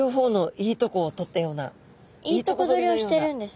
いいとこ取りをしてるんですね。